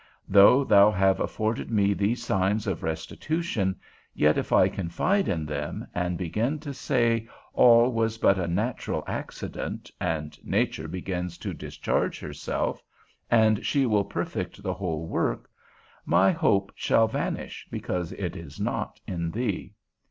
Though thou have afforded me these signs of restitution, yet if I confide in them, and begin to say, all was but a natural accident, and nature begins to discharge herself, and she will perfect the whole work, my hope shall vanish because it is not in thee.